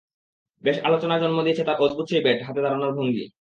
বেশ আলোচনার জন্ম দিয়েছে তাঁর অদ্ভুত সেই ব্যাট হাতে দাঁড়ানোর ভঙ্গি।